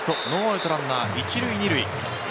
ノーアウト、ランナー１塁２塁。